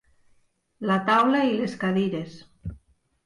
La taula i les cadires.